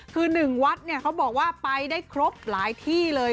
คือหนึ่งวัดเขาบอกว่าไปได้ครบหลายที่เลย